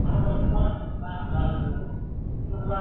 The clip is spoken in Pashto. ¬ چي کوچنى و نه ژاړي، مور شيدې نه ورکوي.